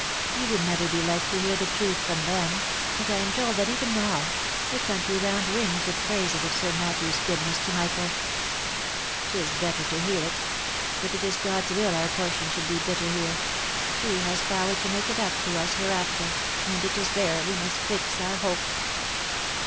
You would never be like to hear the truth from them, and I am told that even now, the country round rings with praises of Sir Matthew's goodness to Michael. Tis bitter to hear it. But it is God's will our portion should be bitter here. He has power to make it up to us hereafter, and it is there we must fix our hope."